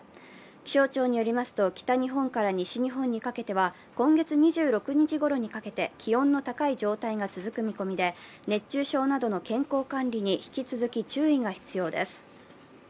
気象庁によりますと北日本から西日本にかけては今月２６日ごろにかけて気温の高い状態が続く見込みで、熱中症などの健康管理に引き続き注意が必要です。